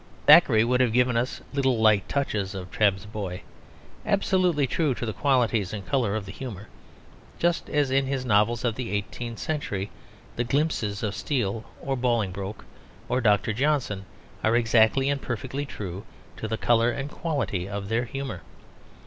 Thackeray would have given us little light touches of Trabb's boy, absolutely true to the quality and colour of the humour, just as in his novels of the eighteenth century, the glimpses of Steele or Bolingbroke or Doctor Johnson are exactly and perfectly true to the colour and quality of their humour.